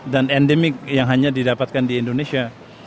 dan endemik yang hanya didapatkan di indonesia